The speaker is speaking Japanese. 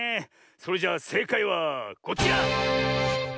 それじゃせいかいはこちら！